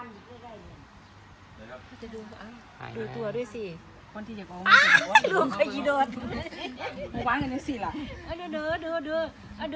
พี่ตุ๊กพี่หมูผ่าเจ้าของมา